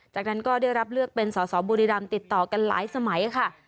จากนั้นก็ได้รับเลือกเป็นสอสอบุรีรำติดต่อกันหลายสมัยค่ะ